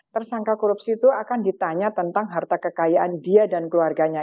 tersangka korupsi itu akan ditanya tentang harta kekayaan dia dan keluarganya